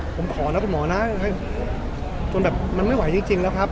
ผมขอนะคุณหมอนะจนแบบมันไม่ไหวจริงแล้วครับ